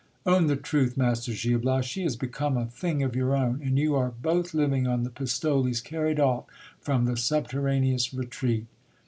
Own the truth, master Gil Bias, she is become a thing of your own, and you are both living on the pistoles carried off from the subterraneous retreat.